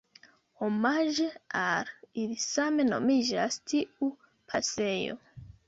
Omaĝe al ili same nomiĝas tiu pasejo.